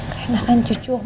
kain akan cucu